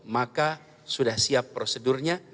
maka sudah siap prosedurnya